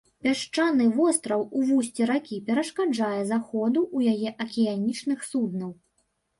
Пясчаны востраў у вусці ракі перашкаджае заходу ў яе акіянічных суднаў.